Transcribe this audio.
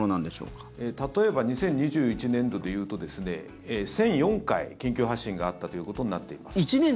例えば２０２１年度でいうと１００４回、緊急発進があったということになっています。